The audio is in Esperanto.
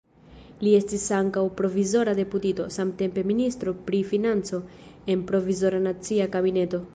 Li estis ankaŭ provizora deputito, samtempe ministro pri financo en Provizora Nacia Kabineto.